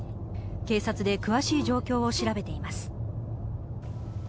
警察で詳しい状況を調べています。